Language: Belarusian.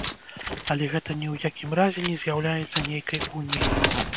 Але гэта ні ў якім разе не з'яўляецца нейкай уніяй.